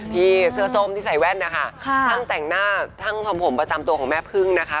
พี่เสื้อส้มที่ใส่แว่นนะคะช่างแต่งหน้าช่างทำผมประจำตัวของแม่พึ่งนะคะ